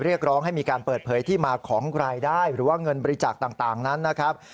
เรียกร้องให้มีการเปิดเผยที่มาของรายได้หรือว่าเงินบริจาคต่างนั้นนะครับ